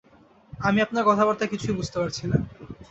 আমি আপনার কথাবার্তা কিছুই বুঝতে পারছি না।